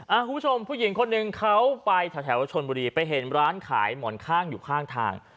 คุณผู้ชมผู้หญิงคนหนึ่งเขาไปแถวชนบุรีไปเห็นร้านขายหมอนข้างอยู่ข้างทาง